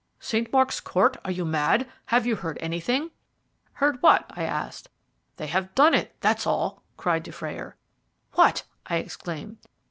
"St. Mark's Court. Are you mad? Have you heard anything?" "Heard what?" I asked. "They have done it, that's all," cried Dufrayer. "What?" I exclaimed.